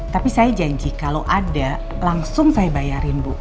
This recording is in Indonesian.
tapi saya janji kalau ada langsung saya bayarin bu